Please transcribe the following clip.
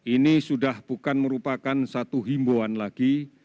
ini sudah bukan merupakan satu himbauan lagi